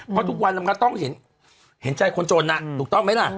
เพราะทุกวันมันก็ต้องเห็นใจคนจนถูกต้องไหมล่ะ